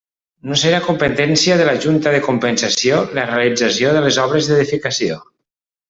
No serà competència de la Junta de Compensació la realització de les obres d'edificació.